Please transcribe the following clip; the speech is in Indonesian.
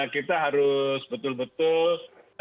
kita harus betul betul